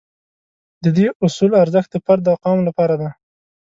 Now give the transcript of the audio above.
د دې اصول ارزښت د فرد او قوم لپاره دی.